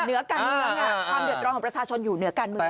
เหนือการเมืองความเดือดร้อนของประชาชนอยู่เหนือการเมือง